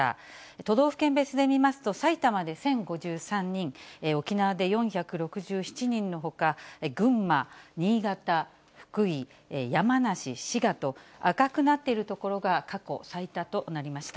都道府県別で見ますと、埼玉で１０５３人、沖縄で４６７人のほか、群馬、新潟、福井、山梨、滋賀と、赤くなっている所が過去最多となりました。